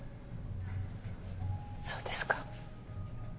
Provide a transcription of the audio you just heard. そうですか。